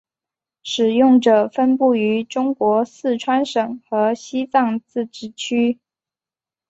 使用者分布于中国四川省和西藏自治区。